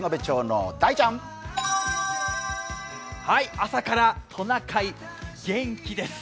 朝からトナカイ元気です。